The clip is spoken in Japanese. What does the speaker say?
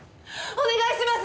お願いします！